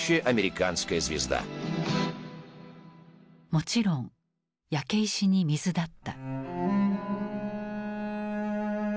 もちろん焼け石に水だった。